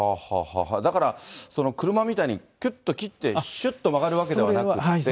だから、車みたいにきゅっと切って、しゅっと曲がるわけではなくて。